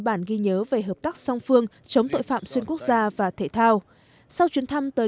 bản ghi nhớ về hợp tác song phương chống tội phạm xuyên quốc gia và thể thao sau chuyến thăm tới